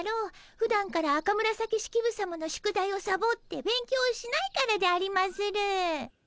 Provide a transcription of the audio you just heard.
ふだんから赤紫式部さまの宿題をサボって勉強しないからでありまする。